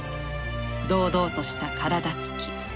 堂々とした体つき。